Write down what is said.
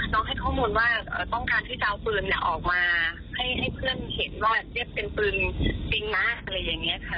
น้องให้ข้อมูลว่าต้องการที่จะเอาปืนออกมาให้เพื่อนเห็นว่าเจ็บเป็นปืนจริงนะ